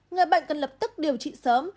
người bệnh cần lập tức điều trị sớm